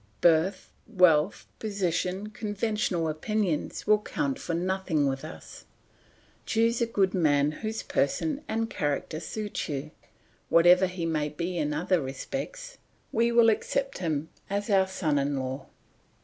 Birth, wealth, position, conventional opinions will count for nothing with us. Choose a good man whose person and character suit you; whatever he may be in other respects, we will accept him as our son in law.